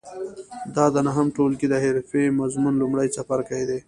دا د نهم ټولګي د حرفې مضمون لومړی څپرکی دی.